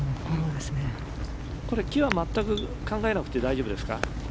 これ、木は全く考えなくて大丈夫ですか。